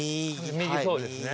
そうですね。